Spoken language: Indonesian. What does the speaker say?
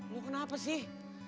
lu kenapa sih